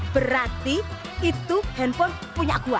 berarti itu handphone punya akuan